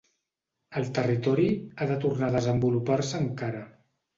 El territori ha de tornar a desenvolupar-se encara.